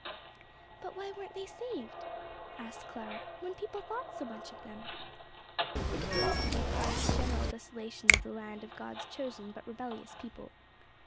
"But why weren't they saved," asked Clara, "when people thought so much of them?" "It seems to be a part of the general desolation of the land of God's chosen but rebellious people.